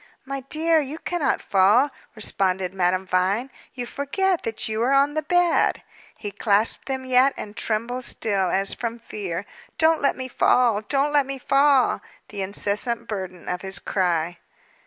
"My dear, you cannot fall," responded Madame Vine. "You forget that you are on the bed." He clasped them yet, and trembled still, as from fear. "Don't let me fall! Don't let me fall" the incessant burden of his cry.